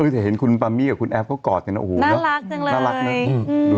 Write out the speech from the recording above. เฉยเห็นคุณปามี่กับคุณแอซเขากอดเนี่ยโอ้โหนะน่ารักจังเลย